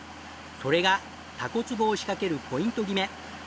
それがタコ壺を仕掛けるポイント決め。